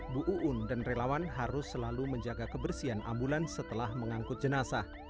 karena keterbatasan ini bu uun dan relawan harus selalu menjaga kebersihan ambulans setelah mengangkut jenazah